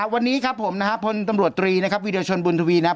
วันนี้ครับผมพลตำรวจตรีวิดีโอชนบุญทวีนะครับ